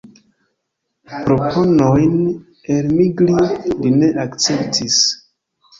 Proponojn elmigri li ne akceptis.